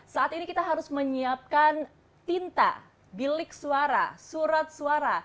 saat ini kita harus menyiapkan tinta bilik suara surat suara